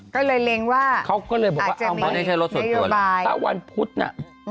ก็เลยเรียงว่าอาจจะมีในโยบายเขาก็เลยบอกว่าเอาไหมถ้าวันพุธน่ะ